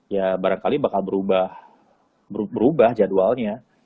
ya barangkali bakal berubah jadwalnya